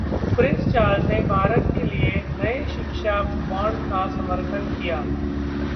Prince Charles ने भारत के लिए नए शिक्षा बॉन्ड का समर्थन किया